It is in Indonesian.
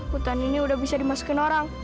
hutan ini udah bisa dimasukin orang